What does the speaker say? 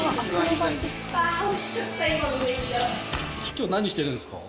今日何してるんですか？